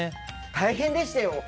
大変でしたよ。